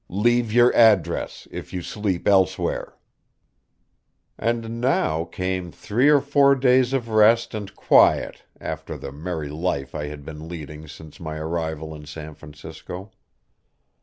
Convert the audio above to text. Leave your address if you sleep elsewhere." And now came three or four days of rest and quiet after the merry life I had been leading since my arrival in San Francisco.